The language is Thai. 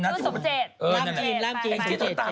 คนแรกคนจีนจริง